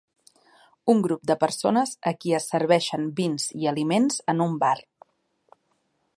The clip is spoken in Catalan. Un grup de persones a qui es serveixen vins i aliments en un bar